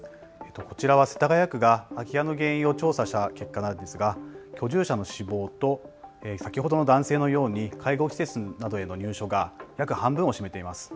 こちらは世田谷区が空き家の原因を調査した結果ですが居住者の死亡と、先ほどの男性のように介護施設などへの入所が約半分を占めています。